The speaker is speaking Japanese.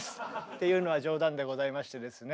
っていうのは冗談でございましてですね。